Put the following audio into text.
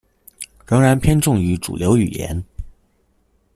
仍然偏重於主流語言